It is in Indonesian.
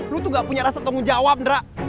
lo tuh nggak punya rasa tanggung jawab ndra